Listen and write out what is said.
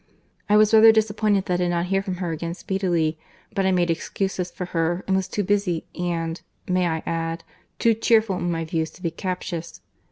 —I was rather disappointed that I did not hear from her again speedily; but I made excuses for her, and was too busy, and—may I add?—too cheerful in my views to be captious.